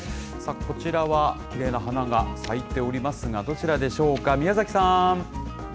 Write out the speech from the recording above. こちらは、きれいな花が咲いておりますが、どちらでしょうか。